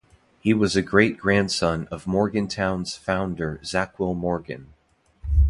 He was a great-grandson of Morgantown's founder Zackquill Morgan.